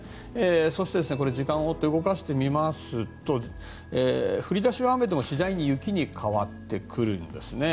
そして、時間を動かしてみると降り出しは雨でも次第に雪に変わってくるんですね。